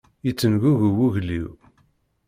Yettengugu wugel-iw.